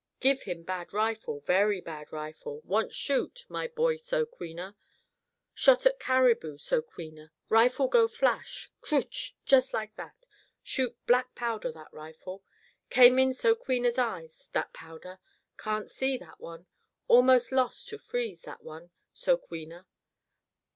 Give him bad rifle, very bad rifle. Want shoot, my boy So queena. Shot at carabou, So queena. Rifle go flash. Crooch! Just like that. Shoot back powder, that rifle. Came in So queena's eyes, that powder. Can't see, that one. Almost lost to freeze, that one, So queena.